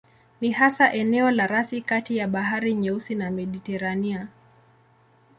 Ni hasa eneo la rasi kati ya Bahari Nyeusi na Mediteranea.